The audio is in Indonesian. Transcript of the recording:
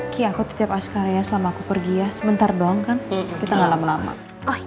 kia kutip askar ya sama aku pergi ya sebentar dong kan kita malam lama oh